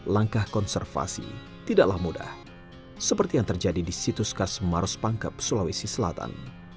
langkah konservasi tidaklah mudah seperti yang terjadi di situs khas maros pangkep sulawesi selatan